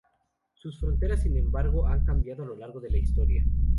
Sus fronteras, sin embargo, han cambiado a lo largo de la historia.